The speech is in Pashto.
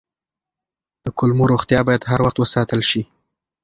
د کولمو روغتیا باید هر وخت وساتل شي.